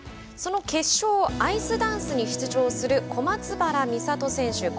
その決勝アイスダンスに出場する小松原美里選手